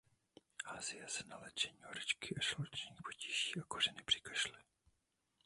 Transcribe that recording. Asie na léčení horečky a žaludečních potíží a kořeny při kašli.